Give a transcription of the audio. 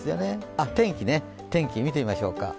あ、天気ね、天気、見てみましょうか。